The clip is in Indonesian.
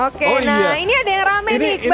oke nah ini ada yang rame nih